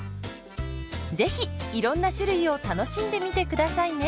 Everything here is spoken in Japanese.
是非いろんな種類を楽しんでみて下さいね。